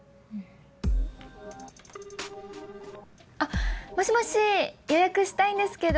あっもしもし予約したいんですけど。